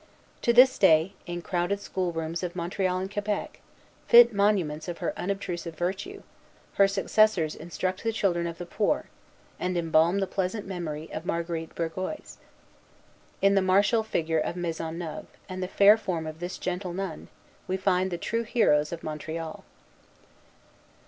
To this day, in crowded school rooms of Montreal and Quebec, fit monuments of her unobtrusive virtue, her successors instruct the children of the poor, and embalm the pleasant memory of Marguerite Bourgeoys. In the martial figure of Maisonneuve, and the fair form of this gentle nun, we find the true heroes of Montreal.